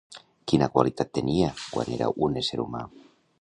Quina qualitat tenia quan era un ésser humà?